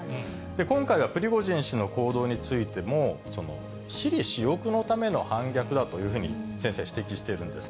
今回はプリゴジン氏の行動についても私利私欲のための反逆だというふうに、先生、指摘しているんです。